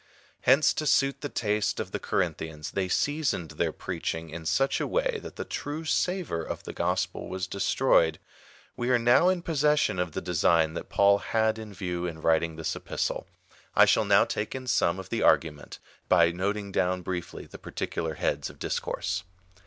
Hence, to suit the taste of the Corin thians, they seasoned their preaching in such a way that the true savour of the gospel was destroyed. We are now in possession of the design that Paul had in view in writing this Epistle. I shall now take in the sum of the argument, by noting down briefly the particular heads of discourse.